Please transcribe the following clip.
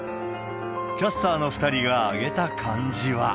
キャスターの２人が挙げた漢字は。